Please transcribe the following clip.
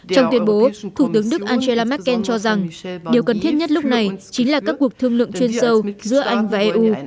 trong tuyên bố thủ tướng đức angela merkel cho rằng điều cần thiết nhất lúc này chính là các cuộc thương lượng chuyên sâu giữa anh và eu